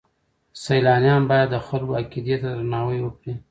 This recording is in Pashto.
سیلانیان باید د خلکو عقیدې ته درناوی وکړي.